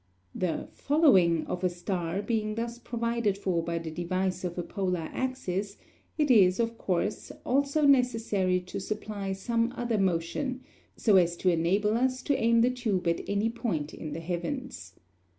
The "following" of a star being thus provided for by the device of a polar axis, it is, of course, also necessary to supply some other motion so as to enable us to aim the tube at any point in the heavens.